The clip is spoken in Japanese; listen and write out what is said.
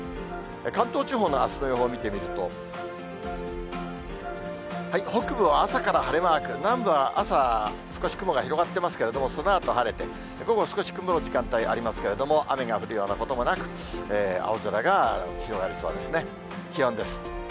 関東地方のあすの予報見てみると、北部は朝から晴れマーク、南部は朝、少し雲が広がってますけど、そのあと晴れて、午後、少し雲の時間帯ありますけれども、雨が降るようなこともなく、青空が広がりそうですね。